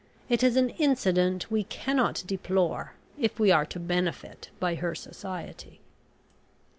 It is an incident we cannot deplore if we are to benefit by her society."